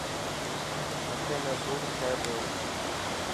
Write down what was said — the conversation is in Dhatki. مٿي ۾ سور ٿي پيو.